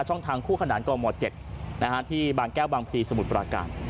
ทางคู่ขนานกม๗ที่บางแก้วบางพลีสมุทรปราการ